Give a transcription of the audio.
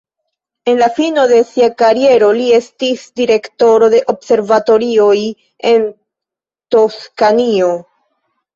En la fino de sia kariero li estis direktoro de observatorioj en Toskanio.